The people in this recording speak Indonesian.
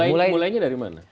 mulainya dari mana